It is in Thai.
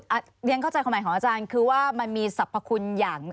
ข้อใจข้อใหม่ของอาจารย์คือว่ามันมีสรรพคุณ